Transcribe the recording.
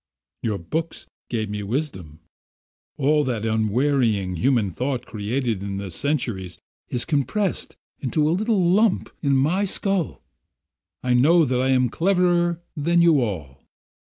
"Your books gave me wisdom. All that unwearying human thought created in the centuries is compressed to a little lump in my skull. I know that I am cleverer than you all.